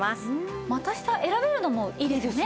股下選べるのもいいですよね。